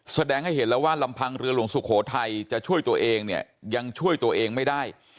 แสดงให้เห็นแล้วว่าลำพังเรือหลวงสุโขทัยจะช่วยตัวเองเนี่ยยังช่วยตัวเองไม่ได้